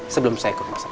sebelum saya ikut masak